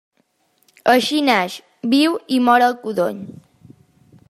Així naix, viu i mor el codony.